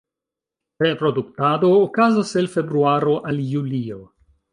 Reproduktado okazas el februaro al julio.